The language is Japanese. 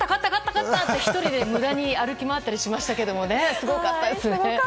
勝ったと１人で無駄に歩き回ったりしましたけどすごかったですよね。